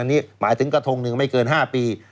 อันนี้หมายถึงกระทงหนึ่งไม่เกิน๕ปี